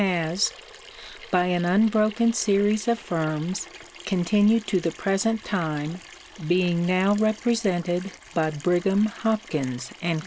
has, by an unbroken series of firms, continued to the present time, being now represented by Brigham, Hopkins & Co.